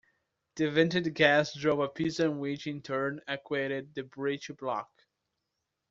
The vented gas drove a piston which in turn actuated the breech block.